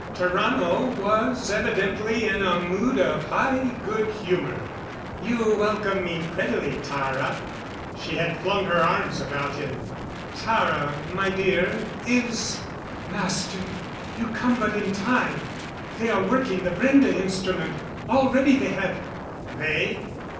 Tarrano was evidently in a mood of high good humor. "You welcome me prettily, Tara." She had flung her arms about him. "Tara, my dear is " "Master you come but in time. They are working the Brende instrument. Already they have " "They?